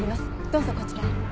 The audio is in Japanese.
どうぞこちらへ。